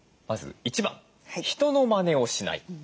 まず１番人のマネをしない。